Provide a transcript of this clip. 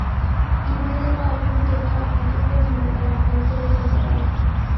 ই-মেইলে পাওয়া কোনো তথ্য আপনাকে প্রেমের ব্যাপারে আগ্রহী করে তুলতে পারে।